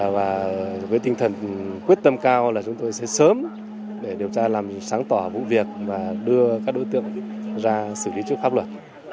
và với tinh thần quyết tâm cao là chúng tôi sẽ sớm để điều tra làm sáng tỏ vụ việc và đưa các đối tượng ra xử lý trước pháp luật